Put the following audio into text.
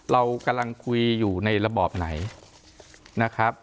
เรากำลังคุยอยู่ในระบอบไหนนะครับ